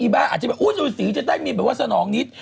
อีบ้าอาจจะบอกอุ๊ยเรือสีจะได้มีแบบว่าสนองนิด